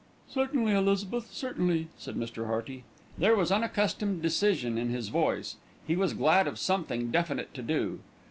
"Certainly, Elizabeth, certainly," said Mr. Hearty. There was unaccustomed decision in his voice. He was glad of something definite to do.